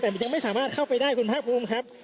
แต่มันยังไม่สามารถเข้าไปได้คุณภาคภูมิครับ